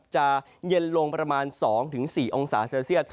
จะเย็นลงประมาณ๒๔องศาเซลเซียต